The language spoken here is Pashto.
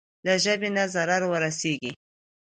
له ژبې نه ضرر ورسېږي.